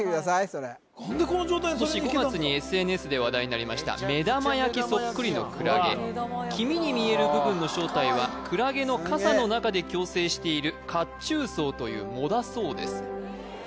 それ今年５月にＳＮＳで話題になりました目玉焼きそっくりのクラゲ黄身に見える部分の正体はクラゲの傘の中で共生している褐虫藻という藻だそうです